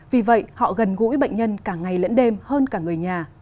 vì vậy họ gần gũi bệnh nhân cả ngày lẫn đêm hơn cả người nhà